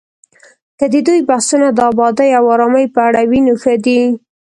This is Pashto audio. که د دوی بحثونه د ابادۍ او ارامۍ په اړه وي، نو ښه دي